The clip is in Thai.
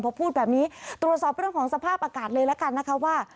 พอพูดแบบนี้ตรวจสอบเรื่องของสภาพอากาศเลยละกันนะคะว่า